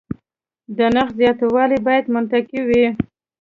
د نرخ زیاتوالی باید منطقي وي.